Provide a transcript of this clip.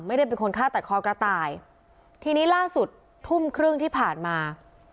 ไม่ได้เป็นคนฆ่าตัดคอกระต่ายทีนี้ล่าสุดทุ่มครึ่งที่ผ่านมา